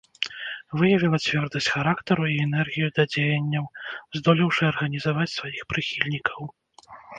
Выявіла цвёрдасць характару і энергію да дзеянняў, здолеўшы арганізаваць сваіх прыхільнікаў.